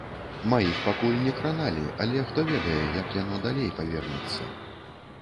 Маіх пакуль не краналі, але хто ведае, як яно далей павернецца.